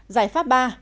giải pháp ba